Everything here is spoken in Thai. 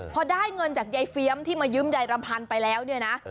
พอได้เงินจากยายเฟียมที่มายืมยายรำพันธ์ไปแล้วเนี่ยนะ